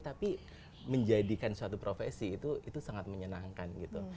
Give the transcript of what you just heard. tapi menjadikan suatu profesi itu sangat menyenangkan gitu